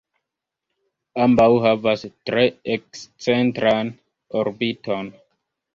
Ambaŭ havas tre ekscentran orbiton.